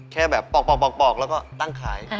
แค่แบบปอกแล้วก็ตั้งขาย